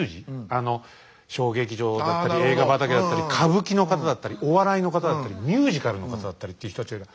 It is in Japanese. あの小劇場だったり映画畑だったり歌舞伎の方だったりお笑いの方だったりミュージカルの方だったりっていう人たちが。